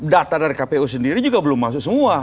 data dari kpu sendiri juga belum masuk semua